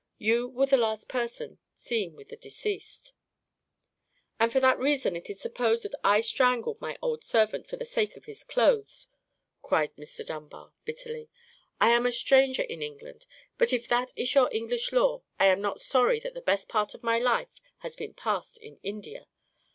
You were the last person seen with the deceased." "And for that reason it is supposed that I strangled my old servant for the sake of his clothes," cried Mr. Dunbar, bitterly. "I am a stranger in England; but if that is your English law, I am not sorry that the best part of my life has been passed in India.